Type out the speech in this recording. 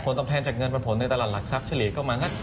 คนต้องแทนจากเงินปันผลในตลาดหลักทรัพย์เฉลี่ยก็มาสัก๓๔